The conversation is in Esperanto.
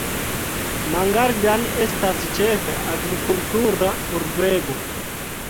Mangaldan estas ĉefe agrikultura urbego.